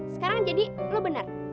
sekarang jadi lu bener